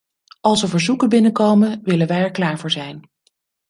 Als er verzoeken binnenkomen, willen wij er klaar voor zijn.